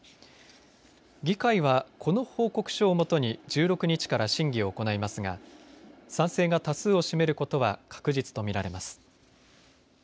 議会は、この報告書をもとに１６日から審議を行いますが賛成が多数を占めることは確実とみられます。